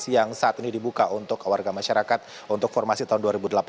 yang saat ini dibuka untuk warga masyarakat untuk formasi tahun dua ribu delapan belas